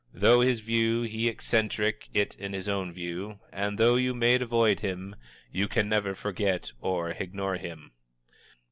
Though his view he eccentric it is his own view, and though you may avoid him, you can never forget or ignore him.